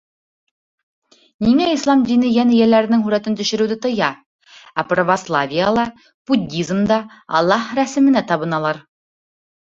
Ниңә Ислам дине йән эйәләренең һүрәтен төшөрөүҙе тыя, ә православиела, буддизмда Аллаһ рәсеменә табыналар?